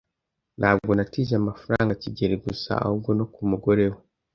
Ntabwo natije amafaranga kigeli gusa, ahubwo no ku mugore we.